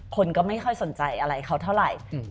คนก็ไม่ค่อยสนใจอะไรเขาเท่าไหร่